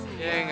kasih belas aja